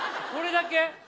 それだけ？